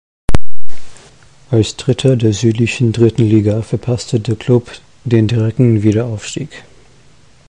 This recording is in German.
Als Dritter der südlichen dritten Liga verpasste der Klub den direkten Wiederaufstieg.